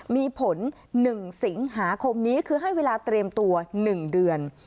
มีผล๑สิงหาคมนี้คือให้เวลาเตรียมตัว๑เดือน